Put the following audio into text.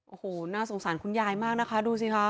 โอ้โหน่าสงสารคุณยายมากนะคะดูสิคะ